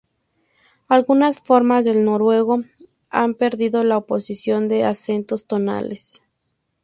Algunas formas del noruego han perdido la oposición de acentos tonales.